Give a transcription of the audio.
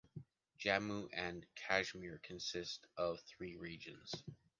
Jammu and Kashmir consist of three regions: